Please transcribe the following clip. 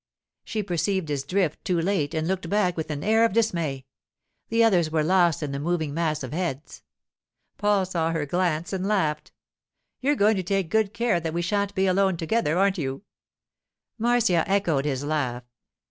She perceived his drift too late and looked back with an air of dismay. The others were lost in the moving mass of heads. Paul saw her glance and laughed. 'You're going to take good care that we shan't be alone together, aren't you?' Marcia echoed his laugh.